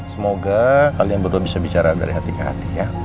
semoga kalian berdua bisa bicara dari hati ke hati ya